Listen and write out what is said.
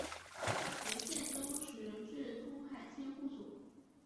元宪宗时置通海千户所。